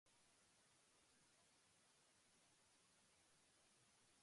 Me voy a echar un camaroncito